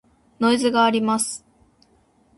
ノイズがあります。